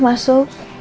ya mas su